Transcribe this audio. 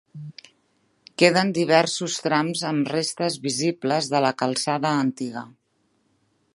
Queden diversos trams amb restes visibles de la calçada antiga.